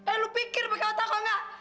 eh lo pikir berkata kalau nggak